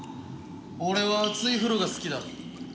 俺は熱い風呂が好きだ。